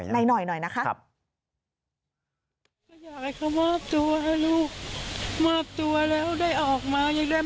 นายหน่อยนะคะ